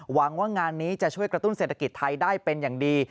หวังว่างานนี้จะช่วยกระตุ้นเศรษฐกิจไทยได้เป็นอย่างดี